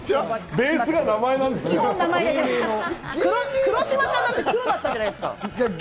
ベースが名前黒島ちゃんだって黒だったじゃないですか。